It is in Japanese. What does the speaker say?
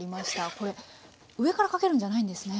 これ上からかけるんじゃないんですね。